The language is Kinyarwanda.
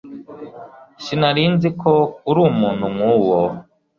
Sinari nzi ko uri umuntu nkuwo